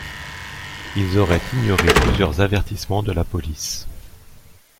Ils auraient ignoré plusieurs avertissements de la police.